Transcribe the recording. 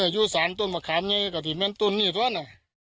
อยู่สารต้นประคามไงกับที่แม่นต้นนี่ท่าน